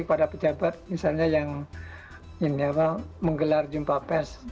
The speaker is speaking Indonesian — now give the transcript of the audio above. jadi pada pejabat misalnya yang menggelar jumpa pers